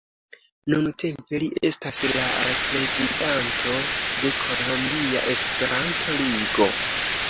Nuntempe li estas la prezidanto de Kolombia Esperanto-Ligo.